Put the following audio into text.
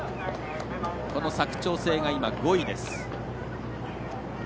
この佐久長聖が５位です。